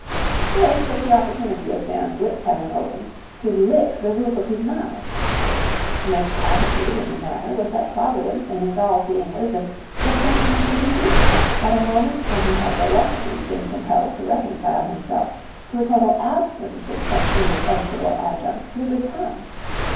Smith took the opportunity of Sam's lips having opened to lick the roof of his mouth. Smith's attitude in the matter was that Providence in its all seeing wisdom had sent him a human being at a moment when he had reluctantly been compelled to reconcile himself to a total absence of such indispensable adjuncts to a good time.